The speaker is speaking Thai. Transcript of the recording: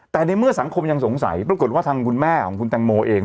แต่ในเมื่อสังคมยังสงสัยปรากฏว่าทางคุณแม่ของคุณแตงโมเอง